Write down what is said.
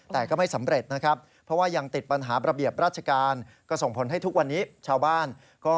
แต่ก็ไม่สำเร็จนะครับเพราะว่ายังติดปัญหาระเบียบราชการก็ส่งผลให้ทุกวันนี้ชาวบ้านก็